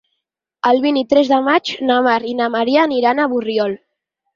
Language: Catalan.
El vint-i-tres de maig na Mar i na Maria aniran a Borriol.